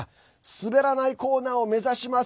スベらないコーナーを目指します。